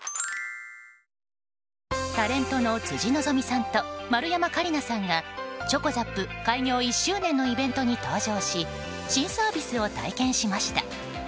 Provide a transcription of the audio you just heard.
タレントの辻希美さんと丸山桂里奈さんがｃｈｏｃｏＺＡＰ開業１周年のイベントに登場し新サービスを体験しました。